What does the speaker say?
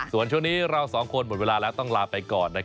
ส่วนช่วงนี้เราสองคนหมดเวลาแล้วต้องลาไปก่อน